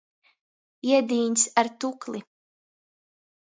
Iedīņs ar tukli.